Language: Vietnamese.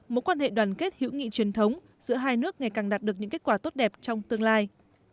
mối quan hệ đoàn kết hữu nghị truyền thống giữa hai nước ngày càng đạt được những kết quả tốt đẹp trong tương lai